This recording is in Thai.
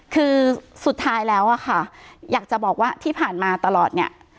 คือสุดท้ายแล้วอะค่ะอยากจะบอกว่าที่ผ่านมาตลอดเนี่ย